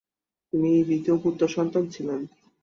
তিনি দ্বিতীয় পুত্র সন্তান ছিলেন।